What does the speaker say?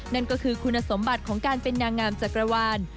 นั่นก็คือคุณสมบัติของการเป็นนางงามจักรวาล